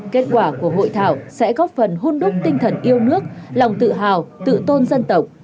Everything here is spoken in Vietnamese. kết quả của hội thảo sẽ góp phần hôn đúc tinh thần yêu nước lòng tự hào tự tôn dân tộc